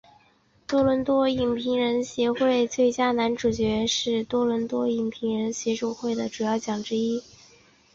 多伦多影评人协会奖最佳男主角是多伦多影评人协会奖的主要奖项之一。